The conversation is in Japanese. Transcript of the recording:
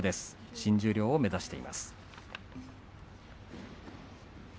新十両を目指しています。